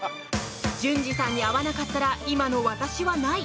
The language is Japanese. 純次さんに会わなかったら今の私はない！